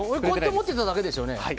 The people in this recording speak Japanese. こうやって持ってただけですよね。